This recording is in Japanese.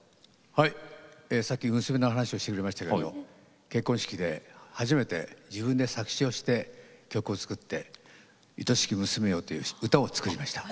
さっき娘の話をしてくれましたけど結婚式で初めて自分で作詞をして曲を作って「愛しき娘よ」という歌を作りました。